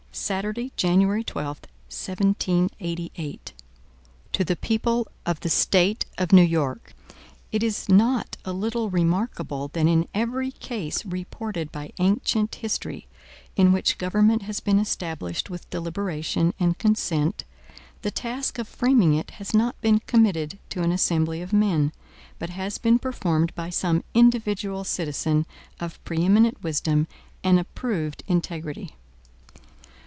Saturday, January 12, 1788. MADISON To the People of the State of New York: IT IS not a little remarkable that in every case reported by ancient history, in which government has been established with deliberation and consent, the task of framing it has not been committed to an assembly of men, but has been performed by some individual citizen of preeminent wisdom and approved integrity.